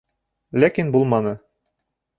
Ләкин булманы.